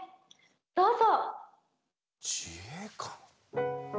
どうぞ。